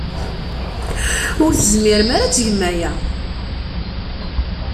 Ur tezmirem ara ad tgem aya!